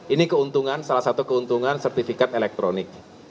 ini keuntungan salah satu keuntungan sertifikat elektronik